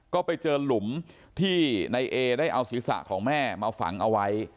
ก็ไปเจอหลุมที่นายเอได้เอาศีรษะของแม่มาฝังเอาไว้